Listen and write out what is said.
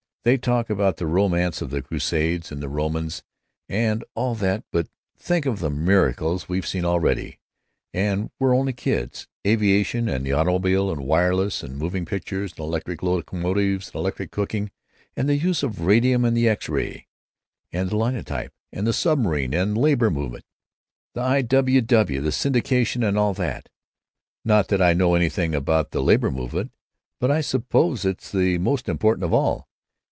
They talk about the romance of the Crusades and the Romans and all that, but think of the miracles we've seen already, and we're only kids. Aviation and the automobile and wireless and moving pictures and electric locomotives and electric cooking and the use of radium and the X ray and the linotype and the submarine and the labor movement—the I. W. W. and syndicalism and all that—not that I know anything about the labor movement, but I suppose it's the most important of all.